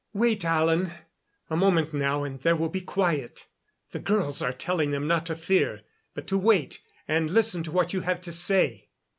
"Wait, Alan. A moment now and there will be quiet. The girls are telling them not to fear, but to wait and listen to what you have to say."